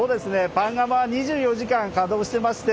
パン窯は２４時間稼働していまして。